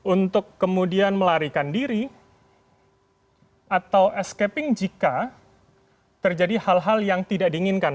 untuk kemudian melarikan diri atau escaping jika terjadi hal hal yang tidak diinginkan